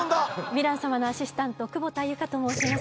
ヴィラン様のアシスタント久保田祐佳と申します。